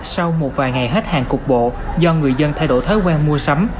sau một vài ngày hết hàng cục bộ do người dân thay đổi thói quen mua sắm